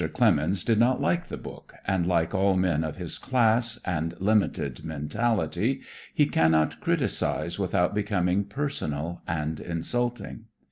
Clemens did not like the book, and like all men of his class, and limited mentality, he cannot criticise without becoming personal and insulting.